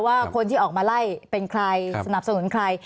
ว่าคนที่ออกมาไล่เป็นใครสนับสนุนใคร